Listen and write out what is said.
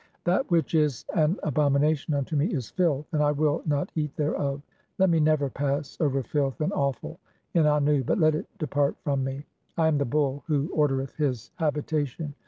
'" "That which is an abomination unto me is filth and I will "not eat thereof ; let me never pass over filth and offal in "Annu, but let it depart from me. (10) I am the Bull who "ordereth his habitation.